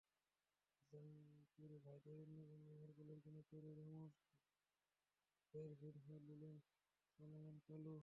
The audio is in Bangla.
আছেন তোরে ভাইদের অন্যজন লিভারপুলের কোলো তোরে, রোমার জেরভিনহো, লিলের সালোমন কালু।